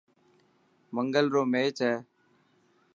منگل رو ميچ هي.